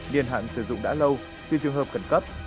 điền hạn sử dụng đã lâu chưa trường hợp cẩn cấp